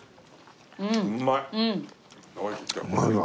うまいわ。